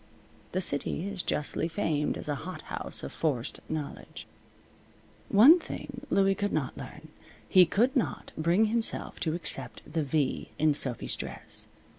The city is justly famed as a hot house of forced knowledge. One thing Louie could not learn. He could not bring himself to accept the V in Sophy's dress.